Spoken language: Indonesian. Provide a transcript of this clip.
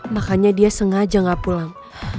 makanya dia sengaja gak pulang